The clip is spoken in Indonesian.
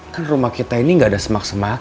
kan rumah kita ini gak ada semak semaknya ya pa